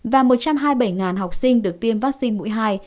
và một trăm hai mươi bảy học sinh được tiêm vaccine mũi hai